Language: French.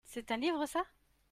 C'est un livre ça ?